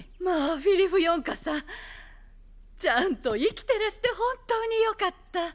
まあフィリフヨンカさん。ちゃんと生きてらして本当によかった。